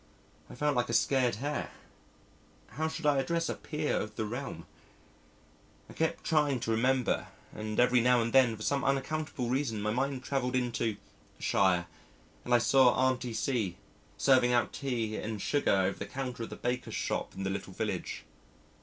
I felt like a scared hare. How should I address a peer of the realm? I kept trying to remember and every now and then for some unaccountable reason my mind travelled into shire and I saw Auntie C serving out tea and sugar over the counter of the baker's shop in the little village.